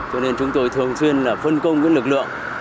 cho nên chúng tôi thường xuyên phân công những lực lượng